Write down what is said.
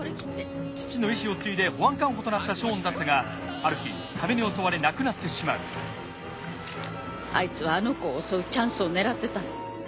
父の遺志を継いで保安官補となったショーンだったがある日サメに襲われ亡くなってしまうあいつはあの子を襲うチャンスを狙ってたの。